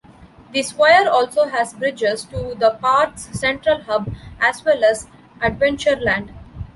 The Square also has bridges to the park's central hub, as well as Adventureland.